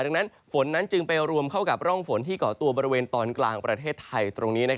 ดังนั้นฝนนั้นจึงไปรวมเข้ากับร่องฝนที่เกาะตัวบริเวณตอนกลางประเทศไทยตรงนี้